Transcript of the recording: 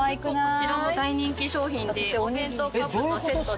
こちらも大人気商品でお弁当カップとセットで。